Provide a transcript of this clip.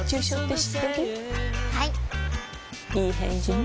いい返事ね